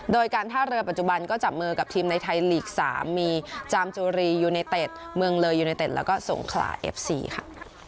โดยการท่าเรือปัจจุบันก็จับมือกับทีมในไทยลีก๓มีจามจุรียูเนเต็ดเมืองเลยยูเนเต็ดแล้วก็สงขลาเอฟซีค่ะ